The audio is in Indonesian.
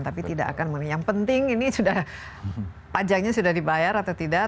tapi tidak akan yang penting ini sudah pajaknya sudah dibayar atau tidak